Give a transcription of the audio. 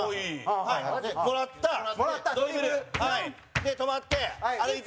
で、止まって、歩いて。